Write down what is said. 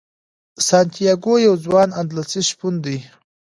سانتیاګو یو ځوان اندلسي شپون دی.